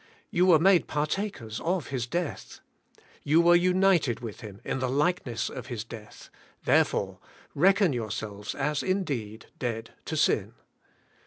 You were made partakers of His death. You were united with Him in the likeness of His death; therefore reckon yourselves as indeed dead to sin.